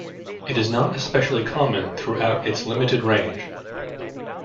It is not especially common throughout its limited range.